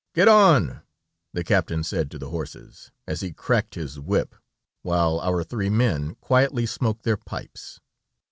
"Get on," the captain said to the horses, as he cracked his whip, while our three men quietly smoked their pipes.